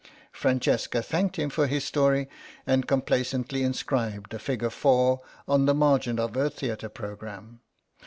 Francesca thanked him for his story, and complacently inscribed the figure 4 on the margin of her theatre programme.